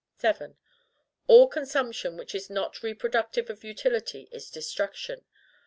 7. All consumption which is not reproductive of utility is destruction.